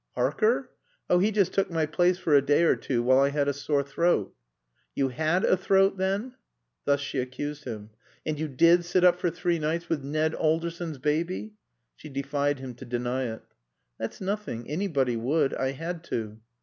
"Harker? Oh, he just took my place for a day or two while I had a sore throat." "You had a throat then?" Thus she accused him. "And you did sit up for three nights with Ned Alderson's baby?" She defied him to deny it. "That's nothing. Anybody would. I had to."